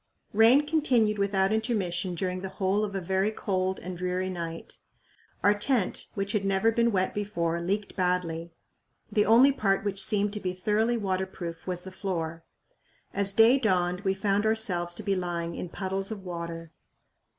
Rain continued without intermission during the whole of a very cold and dreary night. Our tent, which had never been wet before, leaked badly; the only part which seemed to be thoroughly waterproof was the floor. As day dawned we found ourselves to be lying in puddles of water.